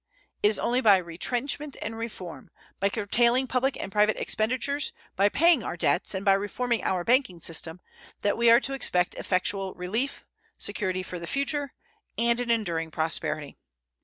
It is only by retrenchment and reform by curtailing public and private expenditures, by paying our debts, and by reforming our banking system that we are to expect effectual relief, security for the future, and an enduring prosperity.